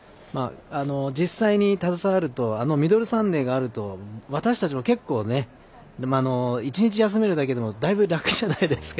実際に携わるとミドルサンデーがあると私たちも結構１日休めるだけでもだいぶ楽じゃないですか。